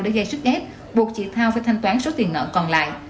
để gây sức ép buộc chị thao phải thanh toán số tiền nợ còn lại